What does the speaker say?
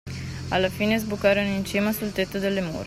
Alla fine, sbucarono in cima, sul tetto delle mura.